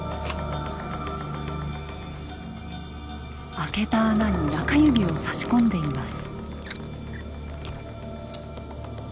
開けた穴に中指を差し込んでいます。